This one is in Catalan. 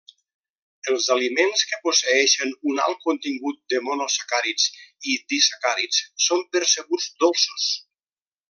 Els aliments que posseeixen un alt contingut de monosacàrids i disacàrids són percebuts dolços.